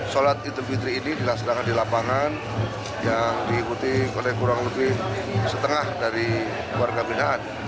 sholat idul fitri ini dilaksanakan di lapangan yang diikuti oleh kurang lebih setengah dari warga binaan